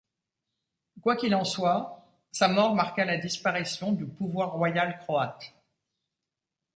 Quoi qu'il en soit, sa mort marqua la disparition du pouvoir royal croate.